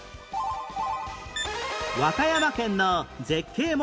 和歌山県の絶景問題